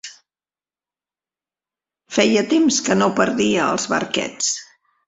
Feia temps que no perdia als barquets.